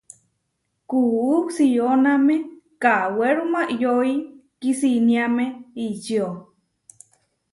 Kuú sióname kawéruma iʼyói kisiniáme ičió.